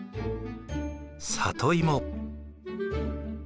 サトイモ。